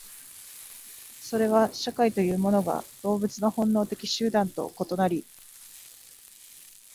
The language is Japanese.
それは社会というものが動物の本能的集団と異なり、